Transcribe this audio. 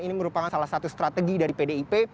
ini merupakan salah satu strategi dari pdip